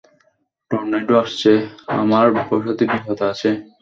Tornado আসছে, আমার বসতি বিপদে আছে।